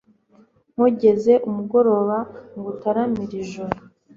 nkogeze umugoroba, ngutaramire ijoro